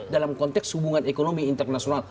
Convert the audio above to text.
dalam konteks hubungan ekonomi internasional